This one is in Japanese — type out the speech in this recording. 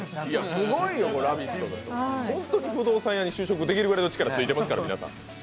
すごいよ、「ラヴィット！」、本当に不動産屋に就職できるぐらいの力、ついてますから。